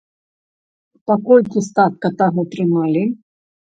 Па колькі статка таго трымалі?